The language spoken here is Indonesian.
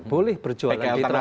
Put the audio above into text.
boleh berjualan di terbang